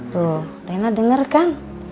tuh reina denger kan